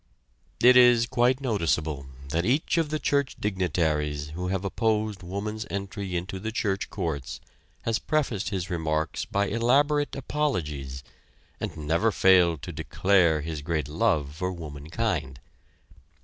It is quite noticeable that each of the church dignitaries who have opposed woman's entry into the church courts has prefaced his remarks by elaborate apologies, and never failed to declare his great love for womankind.